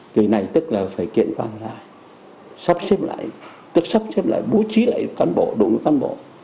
cái này tức là phải kiện toàn lại sắp xếp lại tức sắp xếp lại bố trí lại đồng ý cán bộ